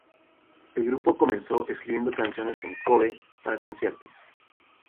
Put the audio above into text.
El grupo comenzó escribiendo canciones en Kōbe para conciertos.